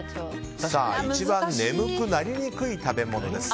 一番眠くなりにくい食べ物です。